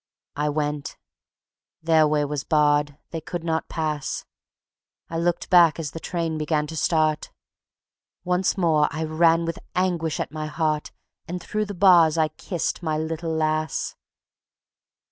I went. ... Their way was barred; they could not pass. I looked back as the train began to start; Once more I ran with anguish at my heart And through the bars I kissed my little lass.